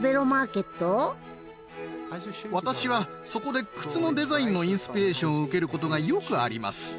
私はそこで靴のデザインのインスピレーションを受ける事がよくあります。